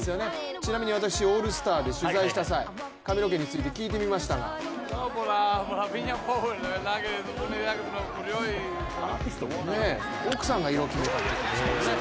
ちなみに私、オールスターで取材した際、髪の毛について聞いてみましたが奥さんが色を決めたって言ってましたね。